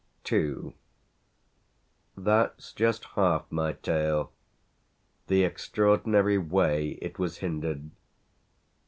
II That's just half my tale the extraordinary way it was hindered.